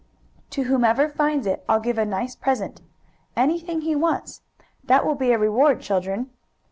To whomever finds it I'll give a nice present anything he wants. That will be a reward, children."